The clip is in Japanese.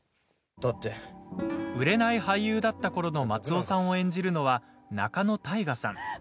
売れない俳優だったころの松尾さんを演じるのは仲野太賀さん。